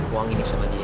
uang ini sama dia